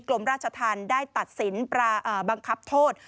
กรมราชธรรมได้ตัดสินบังคับโทษ